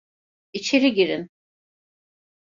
İçeri girin.